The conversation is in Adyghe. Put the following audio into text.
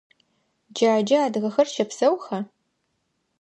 Джаджэ адыгэхэр щэпсэуха?